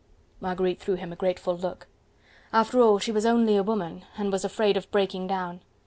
Marguerite threw him a grateful look. After all she was only a woman and was afraid of breaking down.